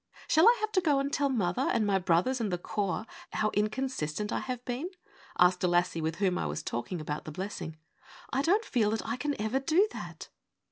' Shall I have to go and tell mother and my brothers and the Corps how inconsistent I have been ?' asked a lassie with whom I was talking about the blessing. ' I don't feel that I can ever do that.